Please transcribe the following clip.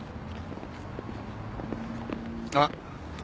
あっ！